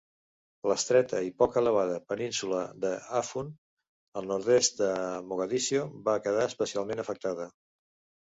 L'estreta i poc elevada península de Hafun, al nord-est de Mogadiscio, va quedar especialment afectada.